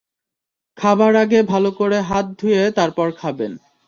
খাাবার আগে ভালো করে হাত ধুয়ে তারপর খাবেন।